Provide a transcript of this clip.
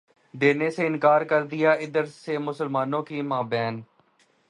دینے سے انکار کر دیا ادھر سے مسلمانوں کے مابین